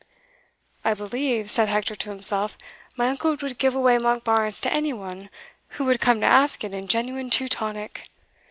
"I believe," said Hector to himself, "my uncle would give away Monkbarns to any one who would come to ask it in genuine Teutonic!